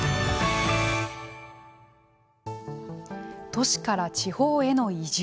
都市から地方への移住。